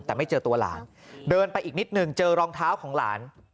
แต่ไม่เจอตัวหลานเดินไปอีกนิดหนึ่งเจอรองเท้าของหลาน